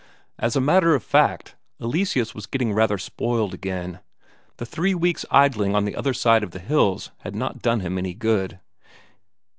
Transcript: As a matter of fact, Eleseus was getting rather spoiled again; the three weeks' idling on the other side of the hills had not done him any good.